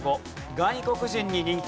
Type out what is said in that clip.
外国人に人気。